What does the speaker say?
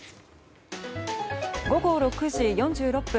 午後６時４６分。